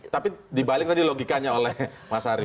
tapi dibalik tadi logikanya oleh mas ari